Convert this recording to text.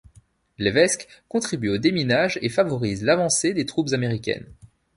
Levesque contribue au déminage et favorise l'avancée des troupes américaines.